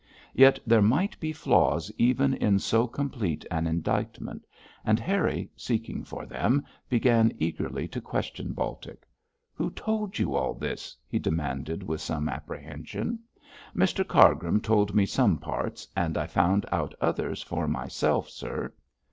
Yet there might be flaws even in so complete an indictment, and Harry, seeking for them, began eagerly to question Baltic. 'Who told you all this?' he demanded with some apprehension. 'Mr Cargrim told me some parts, and I found out others for myself, sir.'